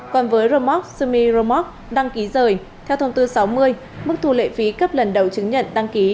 còn với romox sumi romox đăng ký rời theo thông tư sáu mươi mức thu lệ phí cấp lần đầu chứng nhận đăng ký